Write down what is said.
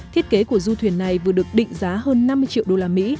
thiết kế của du thuyền này vừa được định giá hơn năm mươi triệu đô la mỹ